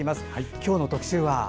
今日の特集は？